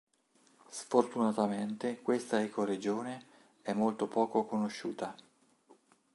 Sfortunatamente, questa ecoregione è molto poco conosciuta.